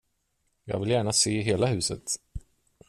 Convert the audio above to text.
Jag vill gärna se hela huset.